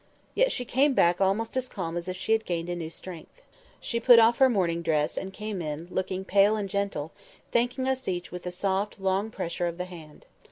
Yet she came back almost calm as if she had gained a new strength. She put off her mourning dress, and came in, looking pale and gentle, thanking us each with a soft long pressure of the hand.